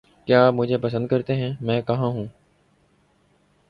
کیا آپ مجھے پسند کرتے ہیں؟ میں کہاں ہوں؟